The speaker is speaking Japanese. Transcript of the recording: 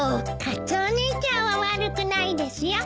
カツオ兄ちゃんは悪くないですよ。